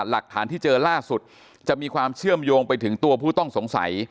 หลักฐานที่เจอล่าสุดจะมีความเชื่อมโยงไปถึงตัวผู้ต้องสงสัย